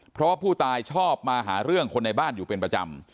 เพราะว่าผู้ตายชอบมาหาเรื่องคนในบ้านอยู่เป็นประจำ